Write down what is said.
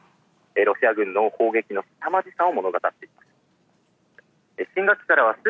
ロシア軍の攻撃のすさまじさを物語っています。